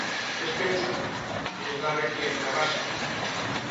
Ez pentsa, ez da beti hain erraza.